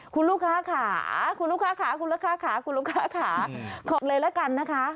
คุณลูกค้าขาขอบเลยแล้วกันนะคะ